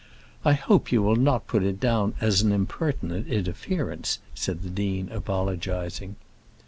"I hope you will not put it down as an impertinent interference," said the dean, apologizing.